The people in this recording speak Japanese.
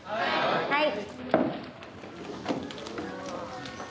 はい！